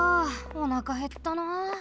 おなかへったなあ。